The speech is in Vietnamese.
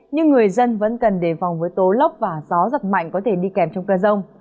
nhưng người dân vẫn cần đề phòng với tố lốc và gió giật mạnh có thể đi kèm trong cơn rông